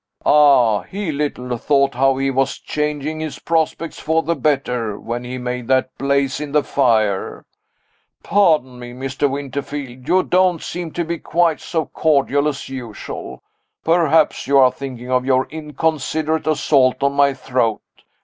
Ah, he little thought how he was changing his prospects for the better, when he made that blaze in the fire! Pardon me, Mr. Winterfield, you don't seem to be quite so cordial as usual. Perhaps you are thinking of your inconsiderate assault on my throat?